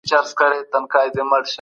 قانون د خلګو لخوا مراعت کېږي.